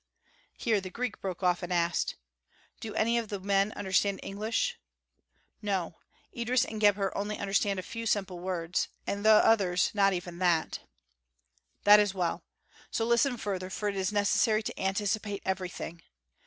Here the Greek broke off and asked: "Do any of these men understand English?" "No. Idris and Gebhr understand only a few simple words and the others not even that." "That is well. So listen further, for it is necessary to anticipate everything.